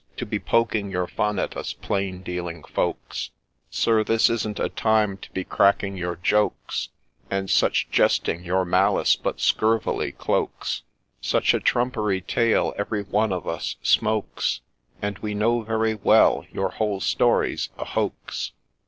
To be poking your fun at us plain dealing folks — Sir, this isn't a time to be cracking your jokes, And such jesting your malice but scurvily cloaks ; Such a trumpery tale every one of us smokes, And we know very well your whole story 's a hoax